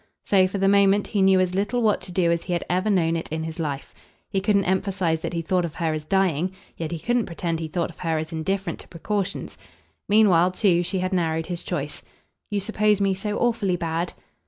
So for the moment he knew as little what to do as he had ever known it in his life. He couldn't emphasise that he thought of her as dying, yet he couldn't pretend he thought of her as indifferent to precautions. Meanwhile too she had narrowed his choice. "You suppose me so awfully bad?"